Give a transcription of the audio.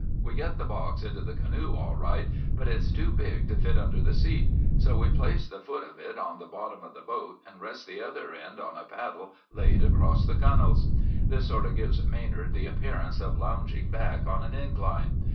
We get the box into the canoe all right, but it's too big to fit under the seat, so we place the foot of it on the bottom of the boat and rest the other end on a paddle laid across the gunnels. This sort of gives Manard the appearance of lounging back on an incline.